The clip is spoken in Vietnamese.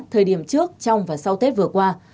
thời điểm trước trong và sau tết vừa qua